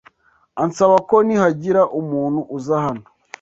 ansaba ko nihagira umuntu uza hano